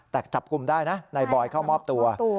แต่จับกลุ่มได้นะนายบอยเข้ามอบตัว